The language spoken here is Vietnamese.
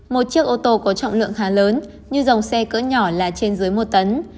một chiếc ô tô có trọng lượng khá lớn nhưng dòng xe cỡ nhỏ là trên dưới một tấn